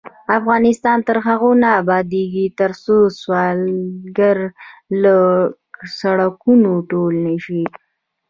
افغانستان تر هغو نه ابادیږي، ترڅو سوالګر له سړکونو ټول نشي.